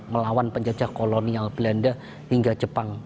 melawan penjajah kolonial belanda hingga jepang